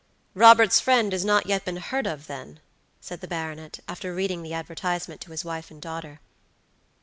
"Robert's friend has not yet been heard of, then," said the baronet, after reading the advertisement to his wife and daughter.